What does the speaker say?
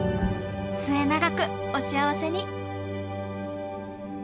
末永くお幸せに！